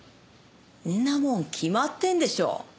そんなもん決まってるでしょ。